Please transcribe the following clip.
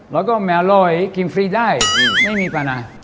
แล้วก็ไม่อร่อยกินฟรีได้ไม่มีปลานะ